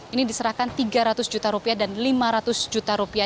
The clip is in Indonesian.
ini diserahkan tiga ratus juta rupiah dan lima ratus juta rupiah